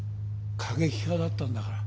過激派だったんだから。